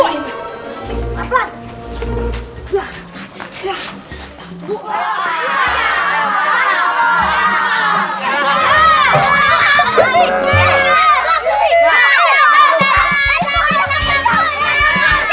boleh youtube beri tanya tanyainski